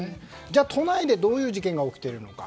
では、都内でどういう事件が起きているのか。